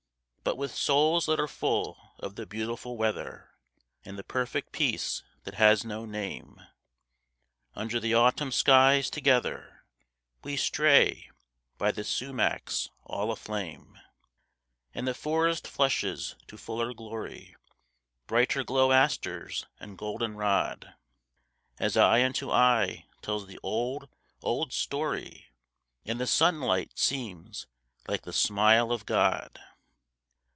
But with souls that are full of the beautiful weather, And the perfect peace that has no name, Under the autumn skies together We stray, by the sumacs all aflame. And the forest flushes to fuller glory: Brighter glow asters and golden rod, As eye unto eye tells the old, old story, And the sunlight seems like the smile of God.